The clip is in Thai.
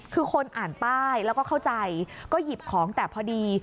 คือคนอ่านป้ายแล้วก็เข้าใจก็หยิบของแต่พอดี